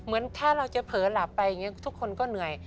ถ้าเราจะเผลอหลับไปอย่างนี้ทุกคนก็เหนื่อย